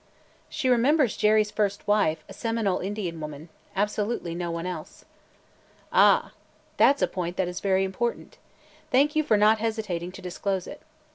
"She remembers Jerry's first wife, a Seminole Indian woman. Absolutely no one else." "Ah! that 's a point that is very important. Thank you for not hesitating to disclose it.